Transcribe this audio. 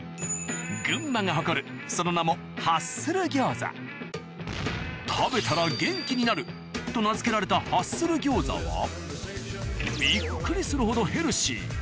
群馬が誇るその名も食べたら元気になる！と名付けられたハッスル餃子はびっくりするほどヘルシー。